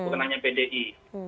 bukan hanya pdi